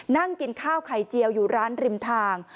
นั่งกินข้าวไข่เจียวอยู่ร้านริมทาง